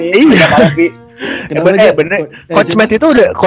di coach matt ada bilang ke gue